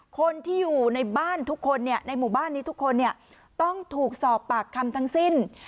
คนที่อยู่ในบ้านทุกคนในหมู่บ้านนี้ทุกคนเนี่ยต้องถูกสอบปากคำทั้งสิ้น